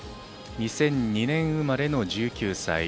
２００２年生まれの１９歳。